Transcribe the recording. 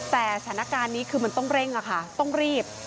แต่สถานการณ์นี้คือมันต้องเร่งอะค่ะต้องรีบ